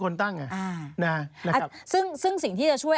เข้าใจ